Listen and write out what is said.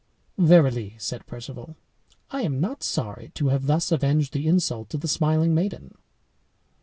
"Verily," said Perceval, "I am not sorry to have thus avenged the insult to the smiling maiden.